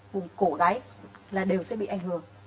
vùng cổ gái là đều sẽ bị ảnh hưởng